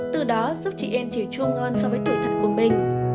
từ đó giúp chị yen chỉu chua ngon so với tuổi thật của mình